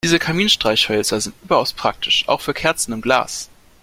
Diese Kaminstreichhölzer sind überaus praktisch, auch für Kerzen im Glas.